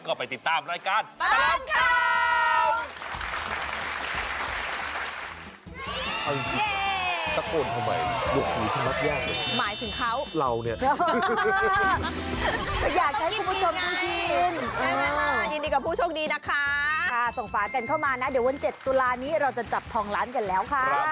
ก็ไปติดตามรายการตลอดข่าว